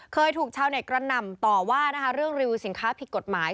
เคยถูกชาวเน็ตกระหน่ำต่อว่านะคะเรื่องรีวิวสินค้าผิดกฎหมาย